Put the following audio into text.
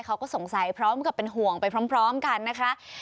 เขาก็สงสัยพร้อมกับเป็นห่วงไปพร้อมกันนะคะ